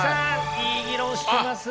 いい議論してますね。